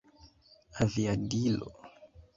aviadilo